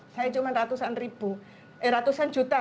saya cuma ratusan ribu eh ratusan juta